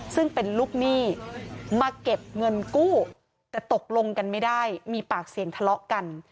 ซึ่งเป็นลูกหนี้มาเก็บเงินกู้แต่ตกลงกันไม่ได้มีปากเสียงทะเลาะกัน